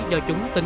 do chúng tin là